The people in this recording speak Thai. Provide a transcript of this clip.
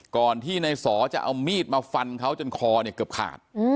ก่อนที่ในสอจะเอามีดมาฟันเขาจนคอเนี่ยเกือบขาด